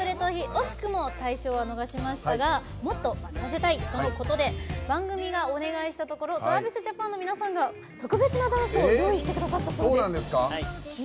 惜しくも大賞は逃しましたがもっとバズりたいということで番組がお願いしたところＴｒａｖｉｓＪａｐａｎの皆さんが特別なダンスを用意してくださったそうです。